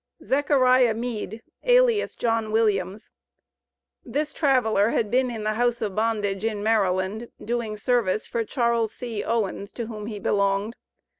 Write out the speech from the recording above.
ZECHARIAH MEAD, alias John Williams. This traveler had been in the house of bondage in Maryland, doing service for Charles C. Owens, to whom he belonged.